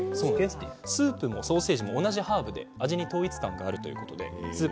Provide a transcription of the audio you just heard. スープもソーセージも同じハーブを使っていて統一感があるということです。